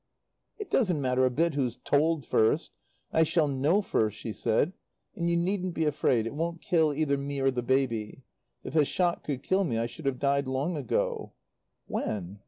"It doesn't matter a bit who's told first. I shall know first," she said. "And you needn't be afraid. It won't kill either me or the baby. If a shock could kill me I should have died long ago." "When?"